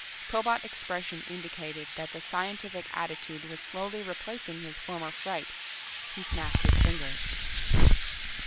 Pillbot's expression indicated that the scientific attitude was slowly replacing his former fright. He snapped his fingers.